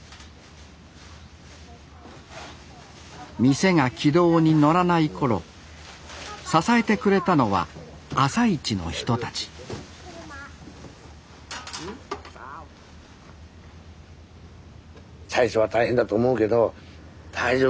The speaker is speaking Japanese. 店が軌道に乗らない頃支えてくれたのは朝市の人たち「最初は大変だと思うけど大丈夫」。